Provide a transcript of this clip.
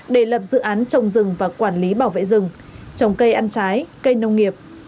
để lập dự án trồng rừng và quản lý bảo vệ rừng trồng cây ăn trái cây nông nghiệp